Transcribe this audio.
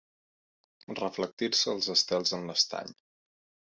Reflectir-se els estels en l'estany.